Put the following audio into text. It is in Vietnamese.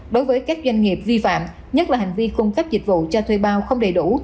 đối với các doanh nghiệp vi phạm nhất là hành vi cung cấp dịch vụ cho thuê bao không đầy đủ